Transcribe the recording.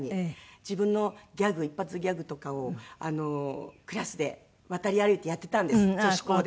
自分のギャグ一発ギャグとかをクラスで渡り歩いてやっていたんです女子校で。